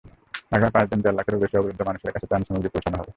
আগামী পাঁচ দিন দেড় লাখেরও বেশি অবরুদ্ধ মানুষের কাছে ত্রাণসামগ্রী পৌঁছানো হবে।